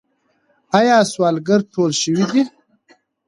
آیا سوالګر ټول شوي دي؟